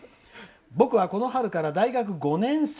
「僕はこの春から大学５年生。